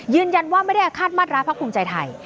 ยืนยันว่าไม่ได้อาคาดมัดร้าพระคุณใจไทย